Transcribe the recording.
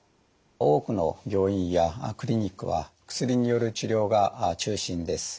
多くの病院やクリニックは薬による治療が中心です。